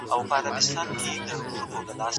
آیا سخاوت تر بخل لوړ دی؟